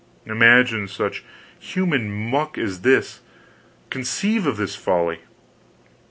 Imagine such human muck as this; conceive of this folly!